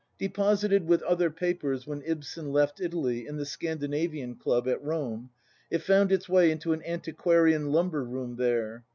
Deposited, with other papers, when Ibsen left Italy, in the Scandinavian club, at Rome, it found its way into an antiquarian lumber room there.